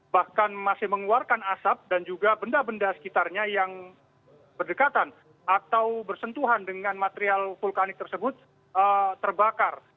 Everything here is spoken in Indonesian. bahkan masih mengeluarkan asap dan juga benda benda sekitarnya yang berdekatan atau bersentuhan dengan material vulkanik tersebut terbakar